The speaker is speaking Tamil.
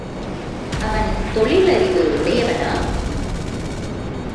அவன் தொழில்அறிவு உடையவனா?